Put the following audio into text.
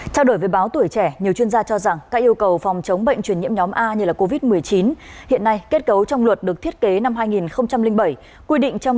trao đổi với báo tuổi trẻ nhiều chuyên gia cho rằng các yêu cầu phòng chống bệnh truyền nhiễm nhóm a như covid một mươi chín hiện nay kết cấu trong luật được thiết kế năm hai nghìn bảy